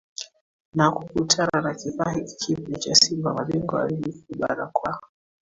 na kukutana na kifaa hiki kipya cha Simba Mabingwa wa Ligi Kuu Bara kwa